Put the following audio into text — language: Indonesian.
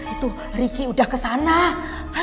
itu ricky udah kesana